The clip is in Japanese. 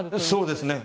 そうですね。